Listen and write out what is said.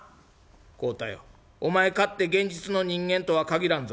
「孝太よお前かって現実の人間とは限らんぞ」。